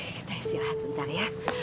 kita istilahkan nanti ya